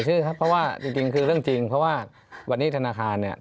ชื่อครับเพราะว่าจริงคือเรื่องจริงเพราะว่าวันนี้ธนาคารเนี่ย